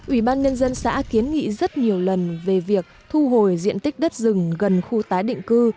ủy ban nhân dân xã kiến nghị rất nhiều lần về việc thu hồi diện tích đất rừng gần khu tái định cư